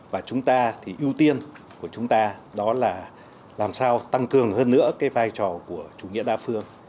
và ưu tiên của chúng ta là làm sao tăng cường hơn nữa vai trò của chủ nghĩa đa phương